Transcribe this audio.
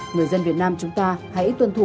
người dân việt nam chúng ta hãy tuân thủ